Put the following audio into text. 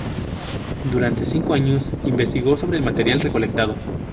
Durante cinco años investigó sobre el material recolectado.